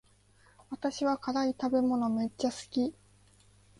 私は辛い食べ物めっちゃ好き